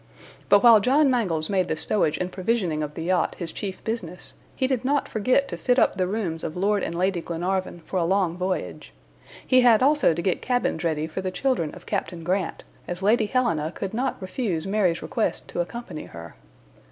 But while John Mangles made the stowage and provisioning of the yacht his chief business, he did not forget to fit up the rooms of Lord and Lady Glenarvan for a long voyage. He had also to get cabins ready for the children of Captain Grant, as Lady Helena could not refuse Mary's request to accompany her.